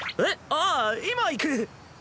ああ今行く。